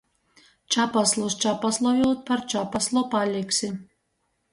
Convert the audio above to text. Čapaslus čapaslojūt par čapaslu paliksi.